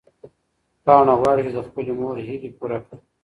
پاڼه غواړي چې د خپلې مور هیلې پوره کړي.